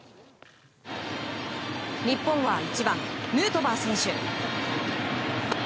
日本は１番、ヌートバー選手。